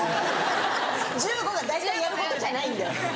１５が大体やることじゃないんで。